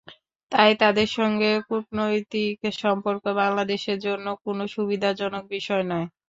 তাই তাদের সঙ্গে কূটনৈতিক সম্পর্ক বাংলাদেশের জন্য কোনো সুবিধাজনক বিষয় নয়।